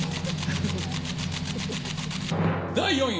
第４位。